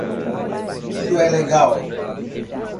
Tudo é legal